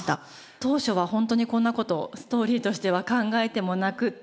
当初は本当にこんな事ストーリーとしては考えてもなくって。